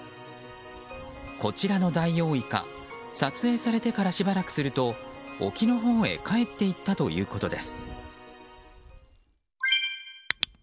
こちらのダイオウイカ撮影されてからしばらくすると沖のほうへ帰っていったということです。